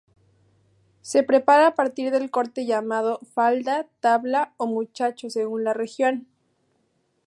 Se prepara a partir del corte llamado "falda", "tabla", o "muchacho", según la región.